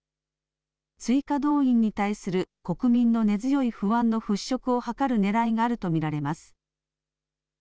追加動員に対する国民の根強い不安の払しょくを図るねらいがあると見られます。